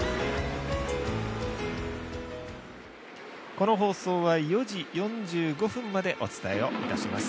この放送は４時４５分までお伝えをいたします。